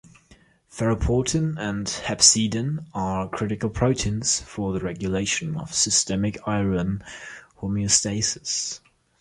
Ferroportin and hepcidin are critical proteins for the regulation of systemic iron homeostasis.